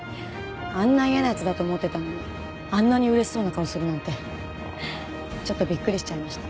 あんな嫌な奴だと思ってたのにあんなに嬉しそうな顔するなんてちょっとびっくりしちゃいました。